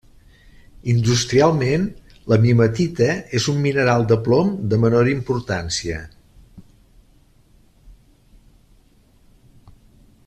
Industrialment, la mimetita és un mineral de plom de menor importància.